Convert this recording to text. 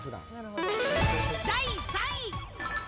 第３位。